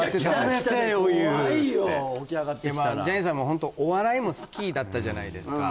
ホントお笑いも好きだったじゃないですか